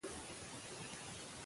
که چرس ونه څښو نو عقل نه ځي.